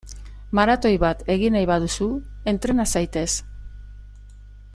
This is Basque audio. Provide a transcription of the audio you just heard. Maratoi bat egin nahi baduzu, entrena zaitez!